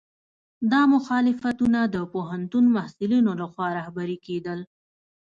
دا مخالفتونه د پوهنتون محصلینو لخوا رهبري کېدل.